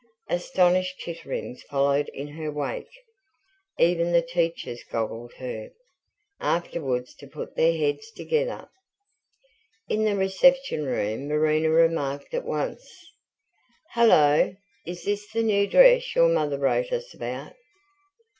Astonished titterings followed in her wake; even the teachers goggled her, afterwards to put their heads together. In the reception room Marina remarked at once: "Hullo! is THIS the new dress your mother wrote us about?"